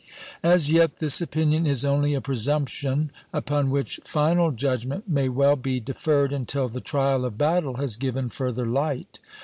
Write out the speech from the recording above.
As yet this opinion is only a presumption, upon which final judgment may well be deferred until the trial of battle has given further light.